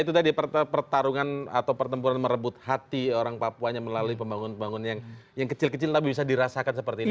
itu tadi pertarungan atau pertempuran merebut hati orang papuanya melalui pembangunan pembangunan yang kecil kecil tapi bisa dirasakan seperti ini